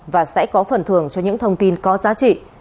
và sẽ có phần thường cho những thông tin có giá trị